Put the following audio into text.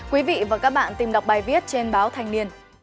quý vị và các bạn tìm đọc bài viết trên báo thanh niên